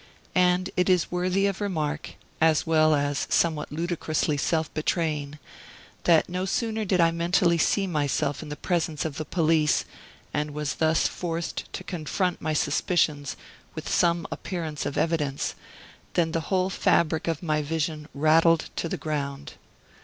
And it is worthy of remark, as well as somewhat ludicrously self betraying, that no sooner did I mentally see myself in the presence of the police, and was thus forced to confront my suspicions with some appearance of evidence, than the whole fabric of my vision rattled to the ground.